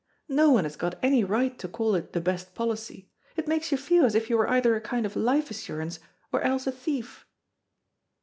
No one has got any right to call it the best policy. It makes you feel as if you were either a kind of life assurance, or else a thief."